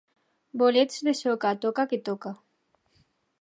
Bolets de soca, toca que toca.